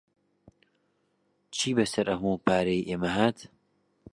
چی بەسەر ئەو هەموو پارەیەی ئێمە هات؟